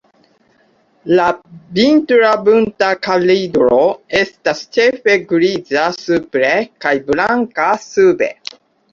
La vintra Bunta kalidro estas ĉefe griza supre kaj blanka sube.